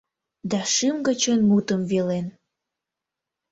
Да шӱм гычын мутым велен.